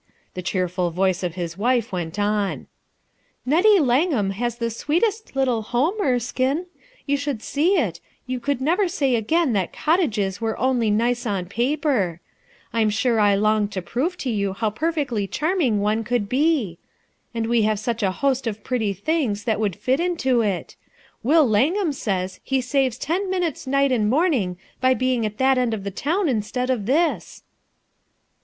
The cheerful voice of his wife went on: — "Nettie Langham has the sweetest little home, Erskine. If you could see it, you would never say again that cottages were only nice on paper, I'm sure I long to prove to you how perfectly charming one could be. And we have such a host of pretty things that would fit into it. Will Langham says he saves ten minutes ni«ht and morning by being at that end of the town instead of this."